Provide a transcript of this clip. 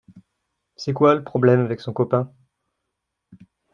C’est quoi, le problème, avec son copain ?